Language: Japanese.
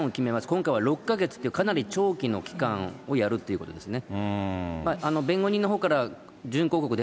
今回は６か月と、かなり長期の期間をやるということですね。